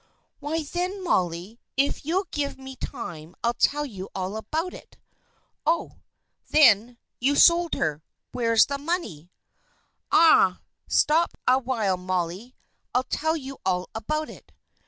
"Why, then, Molly, if you'll give me time, I'll tell you all about it!" "Oh! then, you sold her. Where's the money?" "Arrah! stop a while, Molly, and I'll tell you all about it!"